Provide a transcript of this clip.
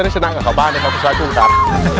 นะฮะคุณสาวพุทธครับ